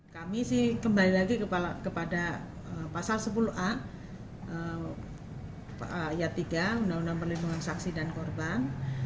kami sih kembali lagi kepada pasal sepuluh a ayat tiga undang undang perlindungan saksi dan korban